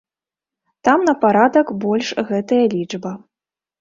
Там на парадак больш гэтая лічба.